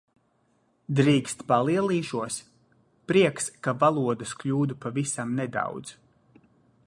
Drīkst palielīšos? Prieks, ka valodas kļūdu pavisam nedaudz.